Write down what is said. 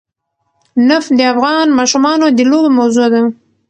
نفت د افغان ماشومانو د لوبو موضوع ده.